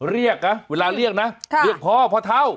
เรียกนะเวลาเรียกนะเรียกพ่อพ่อเท่า